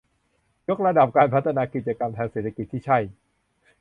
ยกระดับการพัฒนากิจกรรมทางเศรษฐกิจที่ใช้